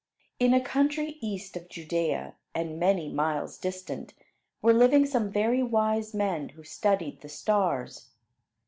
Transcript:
In a country east of Judea, and many miles distant, were living some very wise men who studied the stars.